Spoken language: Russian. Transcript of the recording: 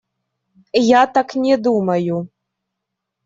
Я так не думаю.